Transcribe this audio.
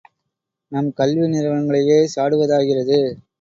நம் கல்வி நிறுவனங்களையே சாடுவதாகிறது.